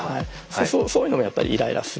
そういうのもやっぱりイライラする。